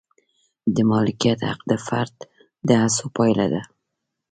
د مالکیت حق د فرد د هڅو پایله ده.